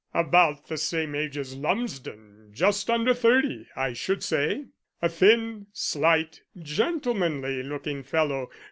"About the same age as Lumsden just under thirty, I should say. A thin, slight, gentlemanly looking fellow.